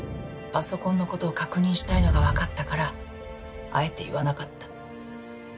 パソコンの事を確認したいのがわかったからあえて言わなかった。